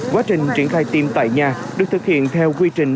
quá trình triển khai tiêm tại nhà được thực hiện theo quy trình